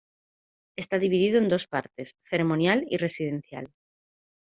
Está dividido en dos partes: ceremonial y residencial.